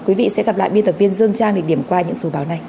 quý vị sẽ gặp lại biên tập viên dương trang để điểm qua những số báo này